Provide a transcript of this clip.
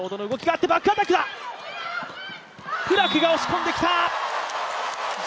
プラクが押し込んできた。